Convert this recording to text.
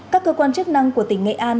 các cơ quan chức năng của tỉnh nghệ an